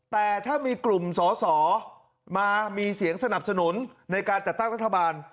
แต่ถ้ามีกลุ่มสอสอมามีเสียงสนับสนุนในการจัดตั้งรัฐบาล